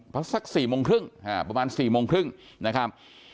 เพราะสัก๔โมงครึ่งประมาณ๔โมงครึ่งนะครับ